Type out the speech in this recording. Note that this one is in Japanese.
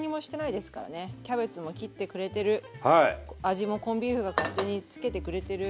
味もコンビーフが勝手につけてくれてる。